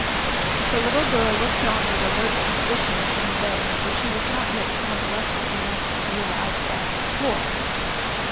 The little girl looked on with alert suspicion from the bed, for she was not yet convalescent enough to be allowed down on the floor.